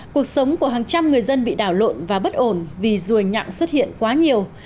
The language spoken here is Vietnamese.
cuộc sống của hàng trăm người dân bị đảo lộn và bất ổn vì ruồi nhặng xuất hiện quá nhiều